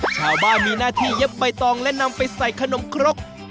ชาวบ้านมีหน้าที่เย็บใบตองและนำไปใส่ขนมครก